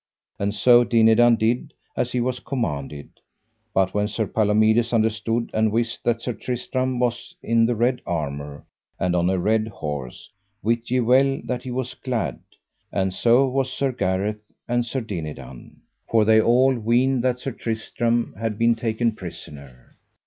And so Dinadan did as he was commanded. But when Sir Palomides understood and wist that Sir Tristram was in the red armour, and on a red horse, wit ye well that he was glad, and so was Sir Gareth and Sir Dinadan, for they all weened that Sir Tristram had been taken prisoner.